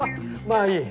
まあいい。